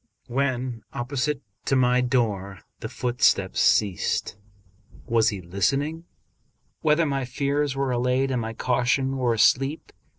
When opposite to my door the footsteps ceased. Was he listening whether my fears were allayed and my caution were asleep